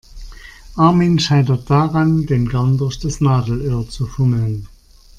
Armin scheitert daran, den Garn durch das Nadelöhr zu fummeln.